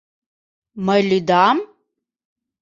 Мый лӱдам?!